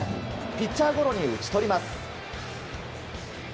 ピッチャーゴロに打ち取ります。